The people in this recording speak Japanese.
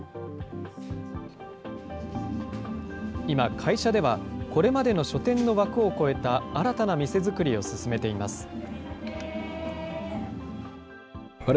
今、会社ではこれまでの書店の枠を超えた新たな店作りを進めています。